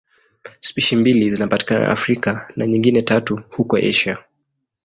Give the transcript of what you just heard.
Spishi mbili zinapatikana Afrika na nyingine tatu huko Asia.